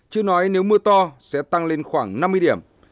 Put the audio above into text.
chưa nói nếu mưa to sẽ tăng lên khoảng năm mươi điểm